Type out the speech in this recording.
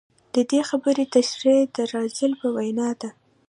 د دې خبرې تشرېح د رالز په وینا ده.